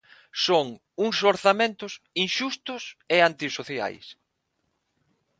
Son uns orzamentos inxustos e antisociais.